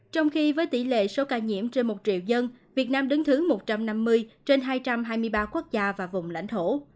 trong khi với tỷ lệ số ca nhiễm trên một triệu dân việt nam đứng thứ một trăm năm mươi trên hai trăm hai mươi ba quốc gia và vùng lãnh thổ